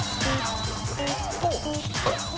おっ！